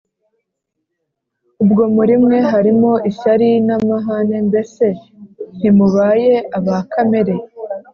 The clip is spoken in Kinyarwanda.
Ubwo muri mwe harimo ishyari, n'amahane, mbese ntimubaye aba kamere